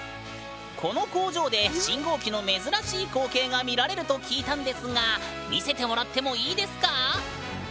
この工場で信号機の珍しい光景が見られると聞いたんですが見せてもらってもいいですか？